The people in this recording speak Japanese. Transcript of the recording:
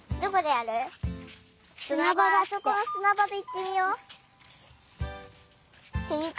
あそこのすなばでいってみよう！っていうか